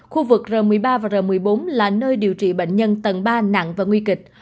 khu vực r một mươi ba và r một mươi bốn là nơi điều trị bệnh nhân tầng ba nặng và nguy kịch